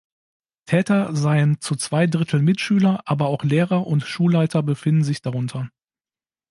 Täter seien zu zwei Drittel Mitschüler, aber auch Lehrer und Schulleiter befinden sich darunter.